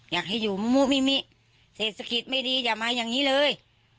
อยากให้อยู่มุมิมิเศรษฐกิจไม่ดีอย่ามาอย่างนี้เลย